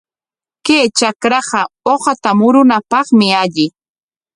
Kay trakraqa uqata murunapaqmi alli.